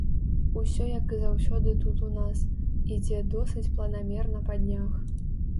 Усё як і заўсёды тут у нас, ідзе досыць планамерна па днях.